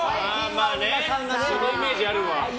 そのイメージ、あるわ。